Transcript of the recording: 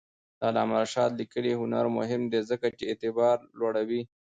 د علامه رشاد لیکنی هنر مهم دی ځکه چې اعتبار لوړوي.